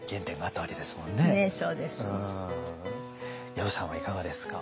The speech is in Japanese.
薮さんはいかがですか？